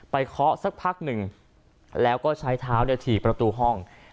เคาะสักพักหนึ่งแล้วก็ใช้เท้าถี่ประตูห้อง